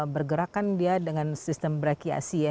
bergerakan dia dengan sistem brachiasi ya